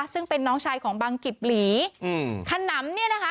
ซึ่งเป็นน้องชายของบังกิบหลีอืมขนำเนี่ยนะคะ